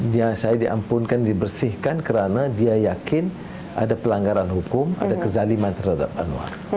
dia saya diampunkan dibersihkan karena dia yakin ada pelanggaran hukum ada kezaliman terhadap anwar